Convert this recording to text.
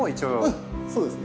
うんそうですね。